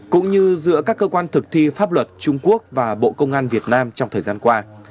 cũng như giữa các cơ quan thực thi pháp luật trung quốc và bộ công an việt nam trong thời gian qua